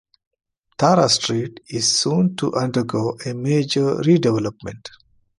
Tara Street is soon to undergo a major redevelopment.